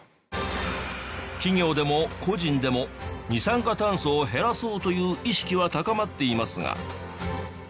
企業でも個人でも二酸化炭素を減らそうという意識は高まっていますが。